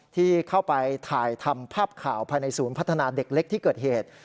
ที่เข้าไปถ่ายทำภาพข่าวภายในศูนย์พัฒนาเด็กเล็กที่เกิดเหตุ